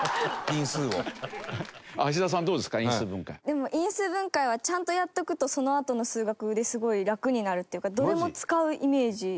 でも因数分解はちゃんとやっておくとそのあとの数学ですごい楽になるっていうかどれも使うイメージ。